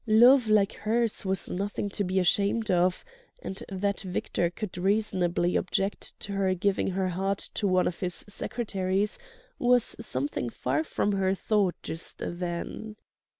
Love like hers was nothing to be ashamed of; and that Victor could reasonably object to her giving her heart to one of his secretaries was something far from her thought just then.